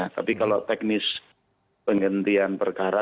tapi kalau teknis penghentian perkara